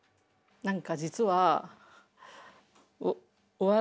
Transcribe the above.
何か実は笑